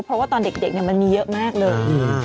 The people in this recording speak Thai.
เพราะว่าตอนเด็กมันมีเยอะมากเลย